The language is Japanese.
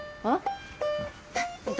あっ。